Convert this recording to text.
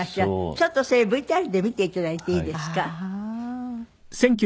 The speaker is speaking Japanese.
ちょっとそれＶＴＲで見て頂いていいですか？